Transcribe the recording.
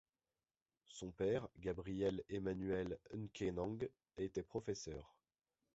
Son père, Gabriel Emmanuel Nkenang était professeur.